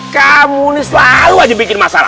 kamu ini selalu aja bikin masalah